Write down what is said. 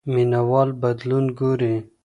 مینه وال بدلون ګوري.